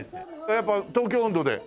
やっぱ『東京音頭』で？